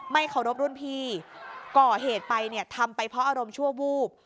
เคารพรุ่นพี่ก่อเหตุไปเนี่ยทำไปเพราะอารมณ์ชั่ววูบ